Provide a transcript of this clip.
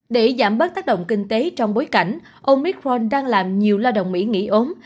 để giảm bớt tác động kinh tế trong bối cảnh omicron đang làm nhiều lao động mỹ nghỉ ốm